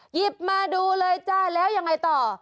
หยิบมาดูเลยจ้าแล้วยังไงต่อ